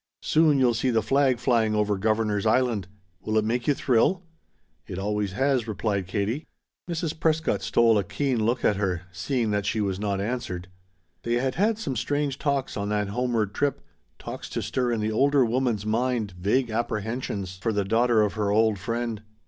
"Soon you'll see the flag flying over Governor's Island. Will it make you thrill?" "It always has," replied Katie. Mrs. Prescott stole a keen look at her, seeing that she was not answered. They had had some strange talks on that homeward trip, talks to stir in the older woman's mind vague apprehensions for the daughter of her old friend.